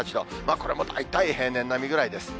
これも大体平年並みぐらいです。